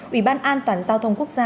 ủy ban an toàn giao thông quốc gia